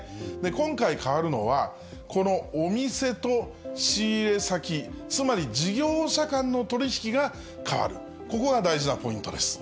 今回変わるのは、このお店と仕入れ先、つまり事業者間の取り引きが変わる、ここが大事なポイントです。